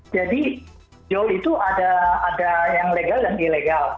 jadi jauh itu ada yang legal dan yang ilegal